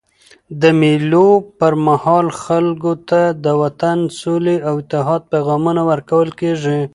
د مېلو پر مهال خلکو ته د وطن، سولي او اتحاد پیغامونه ورکول کېږي.